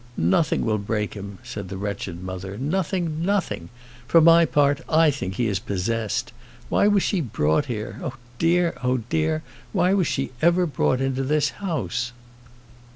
"Nothing will break him," said the wretched mother; "nothing nothing. For my part, I think that he is possessed. Why was she brought here? Oh, dear! oh, dear! Why was she ever brought into this house?"